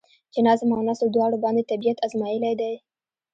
چې نظم او نثر دواړو باندې طبېعت ازمائېلے دے ۔